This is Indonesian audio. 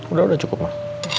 udah udah cukup mah